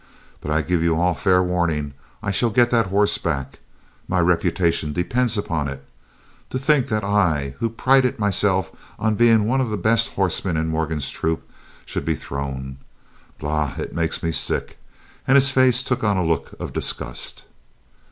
But I give you all fair warning I shall get that hoss back. My reputation depends upon it. Then to think that I, who prided myself on being one of the best hossmen in Morgan's troop, should be thrown. Bah! it makes me sick," and his face took on a look of disgust.